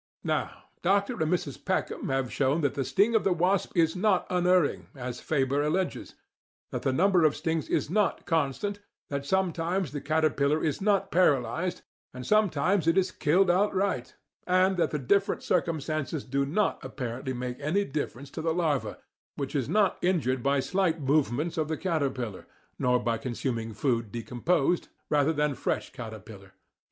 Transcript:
"Now Dr. and Mrs. Peckham have shown that the sting of the wasp is NOT UNERRING, as Fabre alleges, that the number of stings is NOT CONSTANT, that sometimes the caterpillar is NOT PARALYZED, and sometimes it is KILLED OUTRIGHT, and that THE DIFFERENT CIRCUMSTANCES DO NOT APPARENTLY MAKE ANY DIFFERENCE TO THE LARVA, which is not injured by slight movements of the caterpillar, nor by consuming food decomposed rather than fresh caterpillar."